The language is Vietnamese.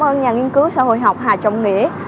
xin cảm ơn nhà nghiên cứu xã hội học hà trọng nghĩa